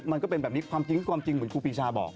มันก็เป็นแบบนี้ความจริงความจริงเหมือนครูปีชาบอก